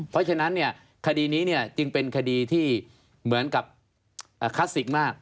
เพราะฉะนั้นคดีนี้จึงเป็นคดีที่เหมือนกับคลาสสิกมาก